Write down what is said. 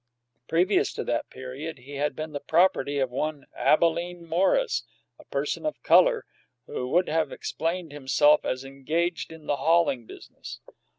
Previous to that period he had been the property of one Abalene Morris, a person of color, who would have explained himself as engaged in the hauling business.